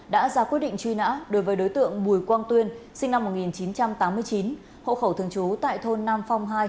đã ra quyết định truy nã đối với đối tượng bùi quang tuyên sinh năm một nghìn chín trăm tám mươi chín hộ khẩu thường trú tại thôn nam phong hai